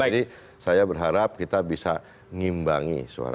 jadi saya berharap kita bisa ngimbangi suara